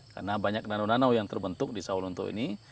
karena banyak danau danau yang terbentuk di sawah lunto ini